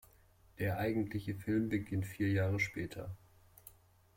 Der eigentliche Film beginnt vier Jahre später.